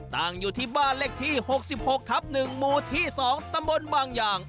ตั้งอยู่ที่บ้านเลขที่๖๖ทับ๑หมู่ที่๒ตำบลบางอย่าง